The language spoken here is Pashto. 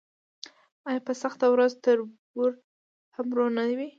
آیا په سخته ورځ تربور هم ورور نه وي؟